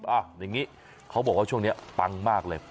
อย่างนี้เขาบอกว่าช่วงนี้ปังมากเลย